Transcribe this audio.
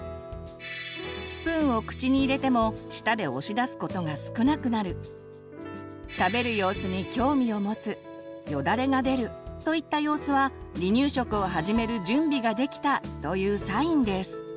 スプーンを口に入れても舌で押し出すことが少なくなる食べる様子に興味を持つよだれが出るといった様子は「離乳食を始める準備ができた」というサインです。